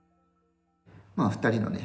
まあ２人のね